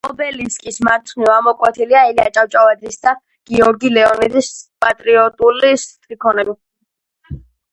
ობელისკის მარცხნივ ამოკვეთილია ილია ჭავჭავაძის და გიორგი ლეონიძის პატრიოტული სტრიქონები.